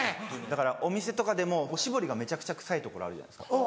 だからお店とかでもお絞りがめちゃくちゃ臭いところあるじゃないですか。